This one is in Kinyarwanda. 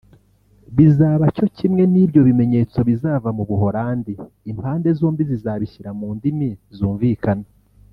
Bizaba cyo kimwe n’ibyo bimenyetso bizava mu Buholande impande zombi zizabishyira mu ndimi zumvikana